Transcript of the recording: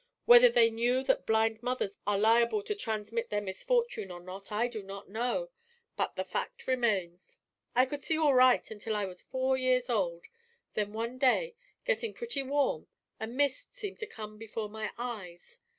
Whether they knew that blind mothers are liable to transmit their misfortune or not I do not know; but the fact remains. I could see all right until I was four years old; when one day, getting pretty warm, a mist seemed to come before my eyes.